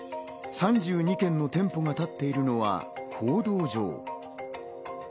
３２軒の店舗が建っているのは公道上。